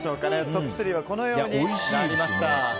トップ３はこのようになりました。